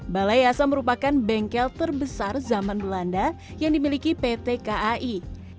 balai yasa merupakan bengkel terbesar zaman belanda yang dimiliki pt kai